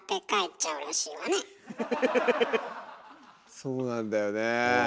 そうなんだよねえ。